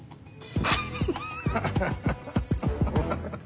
ハハハハ！